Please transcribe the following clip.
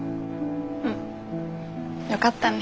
うん。よかったね。